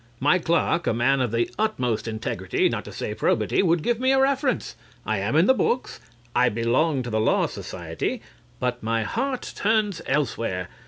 My clerk, a man of the utmost integrity, not to say probity, would give me a reference. I am in the books; I belong to the Law Society. But my heart turns elsewhere.